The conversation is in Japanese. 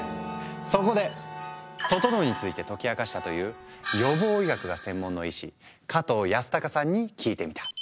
そこで「ととのう」について解き明かしたという予防医学が専門の医師加藤容祟さんに聞いてみた。